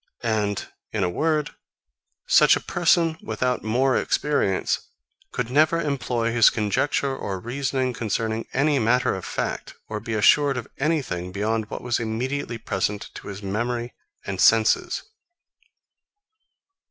And in a word, such a person, without more experience, could never employ his conjecture or reasoning concerning any matter of fact, or be assured of anything beyond what was immediately present to his memory and senses.